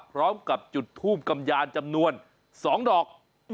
พร้อมกับจุดทุ่มกำญาณจำนวน๒หลอก